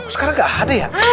sekarang gak ada ya